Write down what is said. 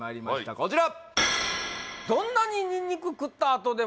こちら